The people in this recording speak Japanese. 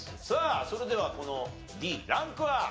さあそれではこのＤランクは？